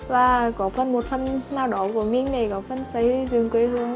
và có phần một phần nào đó của mình này có phần xây dựng quê hương